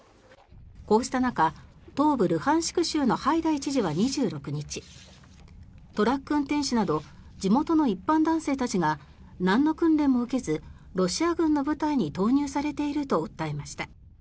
こうした中、東部ルハンシク州のハイダイ知事は２６日トラック運転手など地元の一般男性たちがなんの訓練も受けずロシア軍の部隊に投入されていると訴えました。